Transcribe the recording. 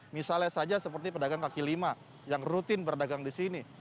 misalnya saja seperti pedagang kaki lima yang rutin berdagang di sini